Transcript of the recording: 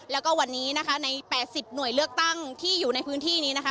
แล้วก็วันนี้นะคะใน๘๐หน่วยเลือกตั้งที่อยู่ในพื้นที่นี้นะคะ